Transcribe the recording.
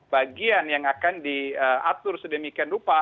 bagian yang akan diatur sedemikian rupa